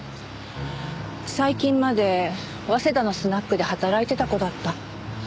最近まで早稲田のスナックで働いてた子だった。